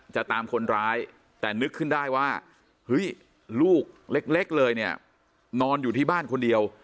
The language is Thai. จะตามคนร้ายแต่นึกขึ้นได้ว่าเฮ้ยลูกเล็กเลยเนี่ยนอนอยู่ที่บ้านคนเดียว